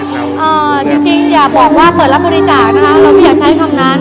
เอ่อจริงจริงอย่าบอกว่าเปิดรับบริจาคนะคะเราไม่อยากใช้คำนั้น